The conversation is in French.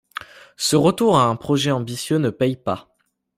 Ce retour à un projet ambitieux ne paie pas...